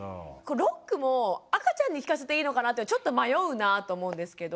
ロックも赤ちゃんに聞かせていいのかなってちょっと迷うなと思うんですけど。